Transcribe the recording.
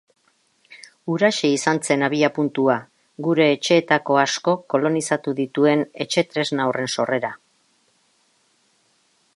Huraxe izan zen abiapuntua, gure etxeetako asko kolonizatu dituen etxetresna horren sorrera.